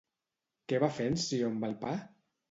Què va fer en Ció amb el pa?